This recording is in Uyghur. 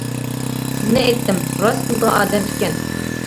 سىزنى ئېيتتىم، راست بىلىدىغان ئادەم ئىكەن.